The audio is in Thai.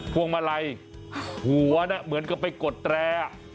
ขวงมาลัอยหัวเหมือนก็ไปกดแระ